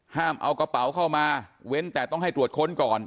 เอากระเป๋าเข้ามาเว้นแต่ต้องให้ตรวจค้นก่อน